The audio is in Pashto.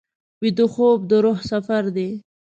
ویده خوب د روح سفر دی